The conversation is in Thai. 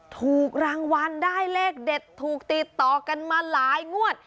ถูกรางวัลได้เลขเด็ดถูกติดต่อกันมาหลายงวด